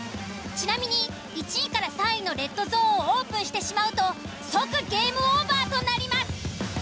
ちなみに１位３位のレッドゾーンをオープンしてしまうと即ゲームオーバーとなります。